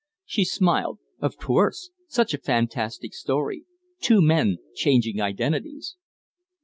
She smiled. "Of course. Such a fantastic story. Two men changing identities."